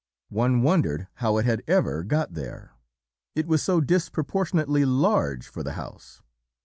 One wondered how it had ever got there, it was so disproportionately large for the house.